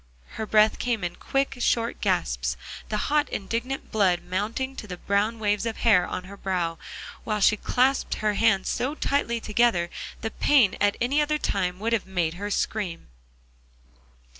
Her breath came in quick, short gasps, the hot indignant blood mounting to the brown waves of hair on her brow, while she clasped her hands so tightly together, the pain at any other time would have made her scream.